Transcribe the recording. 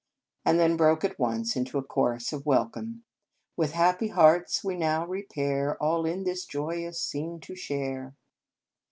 and then broke at once into our chorus of welcome : With happy hearts we now repair All in this joyous scene to share."